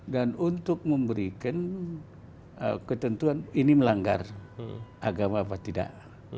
dan untuk memberikan ketentuan ini melanggar agama apa tidak